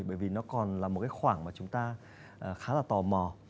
bởi vì nó còn là một cái khoảng mà chúng ta khá là tò mò